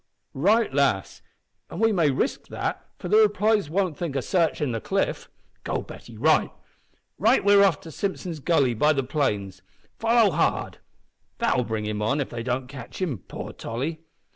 "Right, lass, an' we may risk that, for the reptiles won't think o' sarchin' the cliff. Go, Betty; write, `We're off to Simpson's Gully, by the plains. Follow hard.' That'll bring him on if they don't catch him poor Tolly!"